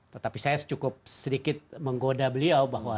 tetapi saya cukup sedikit menggoda beliau bahwa